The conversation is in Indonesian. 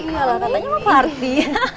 iya lah katanya mah party